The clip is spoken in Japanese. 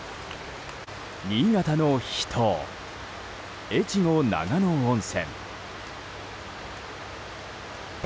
新潟の秘湯、越後長野温泉。